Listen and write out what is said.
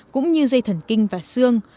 cũng như dây thần kinh và xương